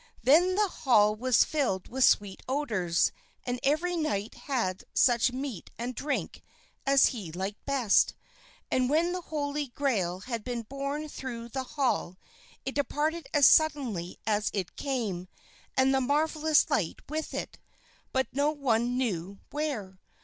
Then the hall was filled with sweet odors, and every knight had such meat and drink as he liked best; and when the Holy Grail had been borne through the hall, it departed as suddenly as it came and the marvelous light with it, but no one knew where.